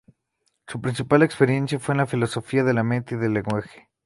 Su principal experiencia fue en la filosofía de la mente y la del lenguaje.